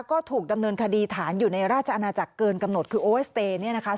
ก็ถูกดำเนินคดีฐานอยู่ในราชอาณาจักรเกินกำหนดคือโอสเตย์เนี่ยนะคะ